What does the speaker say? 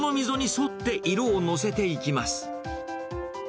その溝に沿って色をのせていきます。